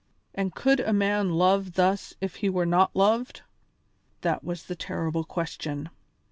And could a man love thus if he were not loved? That was the terrible question.